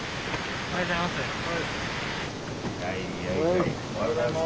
おはようございます。